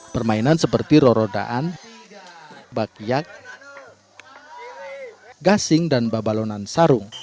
permainan seperti rorodaan bakyak gasing dan babalonan sarung